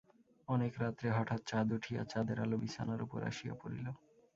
অনেক রাত্রে হঠাৎ চাঁদ উঠিয়া চাঁদের আলো বিছানার উপর আসিয়া পড়িল।